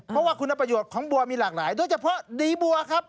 เพราะว่าคุณประโยชน์ของบัวมีหลากหลายโดยเฉพาะดีบัวครับ